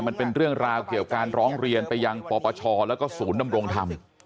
มันเป็นเรื่องราวเกี่ยวการร้องเรียนไปยังปปชแล้วก็ศูนย์ดำรงธรรม